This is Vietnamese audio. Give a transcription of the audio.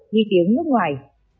di tiến nước ngoài